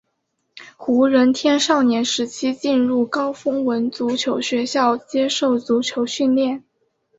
胡人天少年时期进入高丰文足球学校接受足球训练。